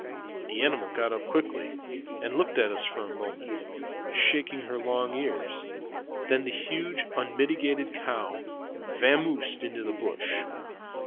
The animal got up quickly, and looked at us for a moment, shaking her long ears; then the huge unmitigated cow vamoosed into the brush.